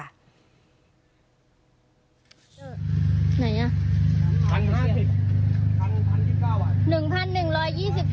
ไหนอ่ะสันห้าสิบสันสิบเก้าบาทหนึ่งพันหนึ่งร้อยยี่สิบเก้าบาท